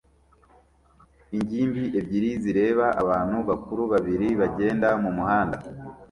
ingimbi ebyiri zireba abantu bakuru babiri bagenda mumuhanda